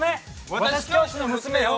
「私、教師の娘よ！」。